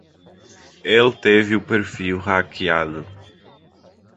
Ele teve o perfil hackeado.